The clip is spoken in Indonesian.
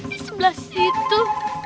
di sebelah situ